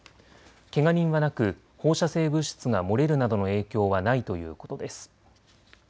けが人はなく放射性物質が漏れるなどの影響はないということです。